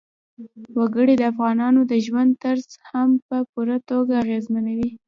وګړي د افغانانو د ژوند طرز هم په پوره توګه اغېزمنوي.